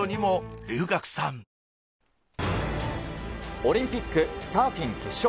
オリンピック、サーフィン決勝。